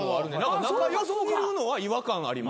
仲良過ぎるのは違和感あります。